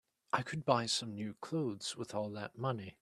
I could buy some new clothes with all that money.